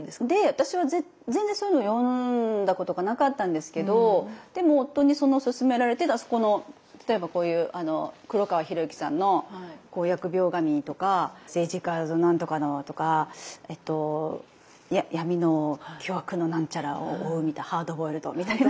私は全然そういうのを読んだことがなかったんですけどでも夫にすすめられてこの例えばこういう黒川博行さんの「疫病神」とか政治家何とかのとか闇の巨悪の何ちゃらを追うみたいなハードボイルドみたいな。